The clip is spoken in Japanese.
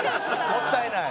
もったいない。